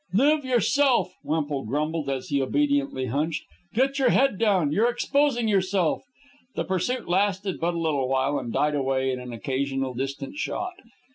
"Live yourself," Wemple grumbled as he obediently hunched. "Get your head down. You're exposing yourself." The pursuit lasted but a little while, and died away in an occasional distant shot.